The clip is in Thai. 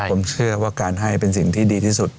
ผมเชื่อว่าการให้เป็นสิ่งที่ดีที่สุด